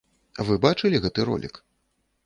Вы бачылі гэты ролік?